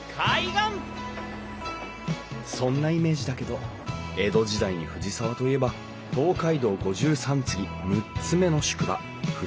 そんなイメージだけど江戸時代に藤沢といえば東海道五十三次６つ目の宿場藤沢宿。